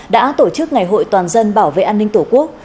đã tổ chức ngày hội toàn dân bảo vệ an ninh tổ quốc